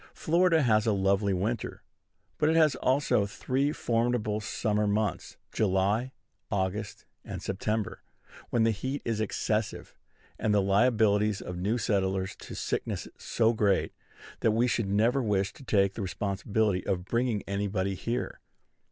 Florida has a lovely winter; but it has also three formidable summer months, July, August, and September, when the heat is excessive, and the liabilities of new settlers to sickness so great, that we should never wish to take the responsibility of bringing anybody here.